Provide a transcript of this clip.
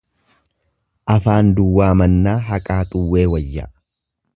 Afaan duwwaa mannaa haqaa xuwwee wayya.